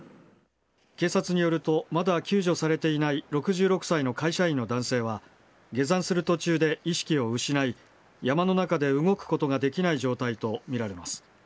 警察によると、まだ救助されていない６６歳の会社員の男性は、下山する途中で意識を失い、山の中で動くことができない状態と見られます。